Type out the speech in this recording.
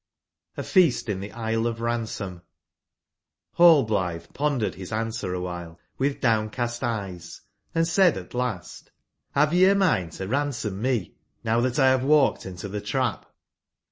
H feast in the Isle of Ransom ^^ HLLBLtlTRB pondered bis an/ swer awhile with downcast eye8,& said at last: ''Have ye amind to ran/ som me^nowthatt have walked in/ to the trap?''